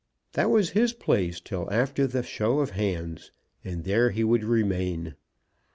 That was his place till after the show of hands, and there he would remain.